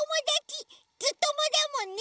「ずっとも」だもんね。